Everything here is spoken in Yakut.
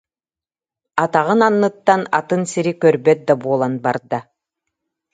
Атаҕын анныттан атын сири көрбөт да буолан барда